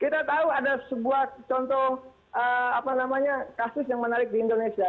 kita tahu ada sebuah contoh kasus yang menarik di indonesia